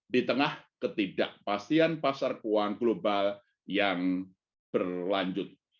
di tengah ketidakpastian pasar keuangan global yang berlanjut